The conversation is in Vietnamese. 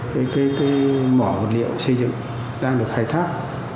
cái cái cái mỏ vật liệu xây dựng đang được khai thác